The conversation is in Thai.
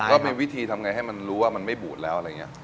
ก็มีวิธีทำไงให้มันรู้ว่ามันไม่บูดแล้วอะไรอย่างนี้